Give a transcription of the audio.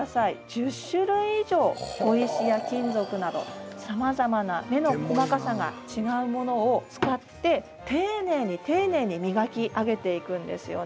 １０種類以上、砥石や金属などさまざまな目の細かさが違うものを使って、丁寧に丁寧に磨き上げていくんですよね。